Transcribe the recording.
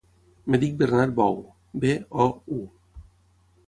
Em dic Bernat Bou: be, o, u.